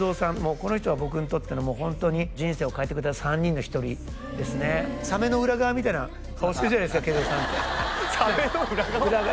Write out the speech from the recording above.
この人は僕にとってのホントに人生を変えてくれた３人の１人ですねサメの裏側みたいな顔してるじゃないですかケイゾウさんってサメの裏側？